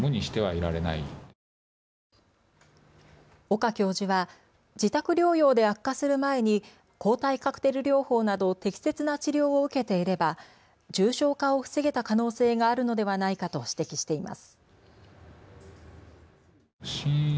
岡教授は自宅療養で悪化する前に抗体カクテル療法など適切な治療を受けていれば重症化を防げた可能性があるのではないかと指摘しています。